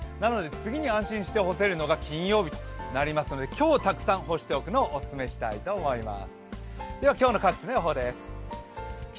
次に安心して干せるのが金曜日となりそうですので今日たくさん干しておくのをオススメしておきたいと思います。